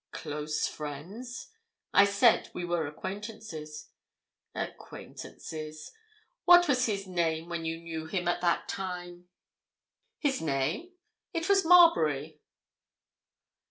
"Close friends?" "I said we were acquaintances." "Acquaintances. What was his name when you knew him at that time?" "His name? It was—Marbury."